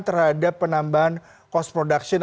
terhadap penambahan cost production